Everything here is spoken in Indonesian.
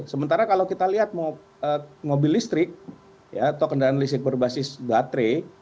sementara kalau kita lihat mobil listrik atau kendaraan listrik berbasis baterai